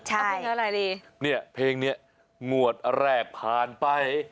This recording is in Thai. เอาเพลงอะไรดีเนี่ยเพลงเนี้ยงวดแรกผ่านไป